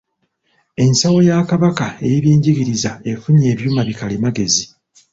Ensawo ya Kabaka ey'eby'Enjigiriza efunye ebyuma bikalimagezi.